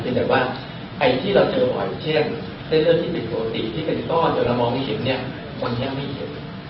แต่ว่าไอ้ที่เราเจออย่างเช่นเส้นเลือดที่เป็นหัวสีที่เป็นต้อจนเรามองไม่เห็นเนี่ยมันแย่ไม่เห็น